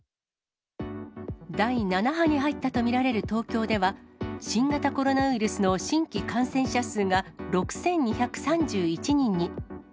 第７波に入ったと見られる東京では、新型コロナウイルスの新規感染者数が６２３１人に。